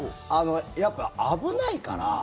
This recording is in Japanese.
やっぱ、危ないから。